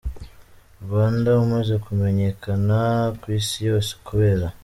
Rwanda umaze kumenyekana ku Isi yose kubera.